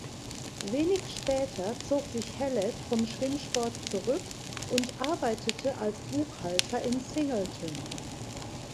Wenig später zog sich Hallett vom Schwimmsport zurück und arbeitete als Buchhalter in Singleton.